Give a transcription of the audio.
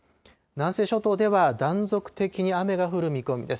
南西諸島では、断続的に雨が降る見込みです。